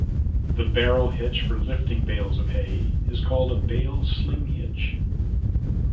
The barrel hitch for lifting bales of hay is called a "bale sling hitch".